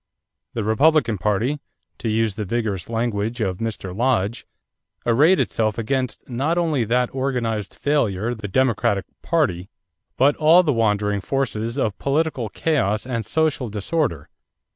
The Republican party, to use the vigorous language of Mr. Lodge, arrayed itself against "not only that organized failure, the Democratic party, but all the wandering forces of political chaos and social disorder